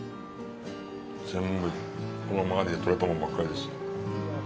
全部、この周りでとれたもんばっかりです。